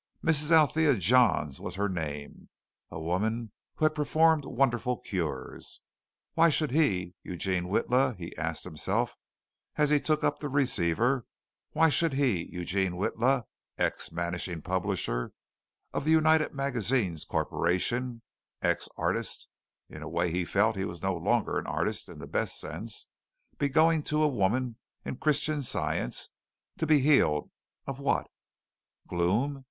Mrs. Althea Johns was her name a woman who had performed wonderful cures. Why should he, Eugene Witla, he asked himself as he took up the receiver, why should he, Eugene Witla, ex managing publisher of the United Magazines Corporation, ex artist (in a way, he felt that he was no longer an artist in the best sense) be going to a woman in Christian Science to be healed of what? Gloom?